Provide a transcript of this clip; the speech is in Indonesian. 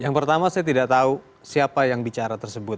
yang pertama saya tidak tahu siapa yang bicara tersebut